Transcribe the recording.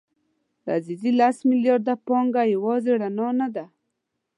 د عزیزي لس میلیارده پانګه یوازې رڼا نه ده.